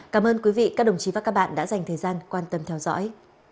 cảm ơn quý vị các đồng chí và các bạn đã dành thời gian quan tâm theo dõi